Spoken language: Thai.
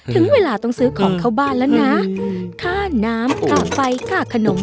ถึงเวลาต้องซื้อของเข้าบ้านแล้วนะค่าน้ำค่าไฟค่าขนม